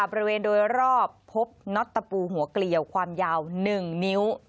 บริเวณโดยรอบพบน็อตตะปูหัวเกลียวความยาว๑นิ้ว